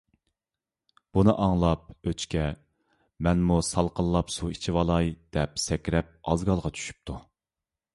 بۇنى ئاڭلاپ ئۆچكە: «مەنمۇ سالقىنلاپ، سۇ ئىچىۋالاي» دەپ سەكرەپ ئازگالغا چۈشۈپتۇ.